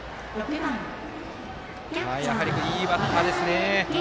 やはり、いいバッターですね。